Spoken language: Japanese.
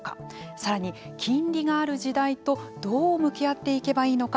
さらに金利がある時代とどう向き合っていけばいいのか。